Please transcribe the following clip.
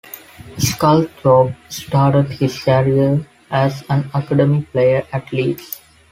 Sculthorpe started his career as an academy player at Leeds.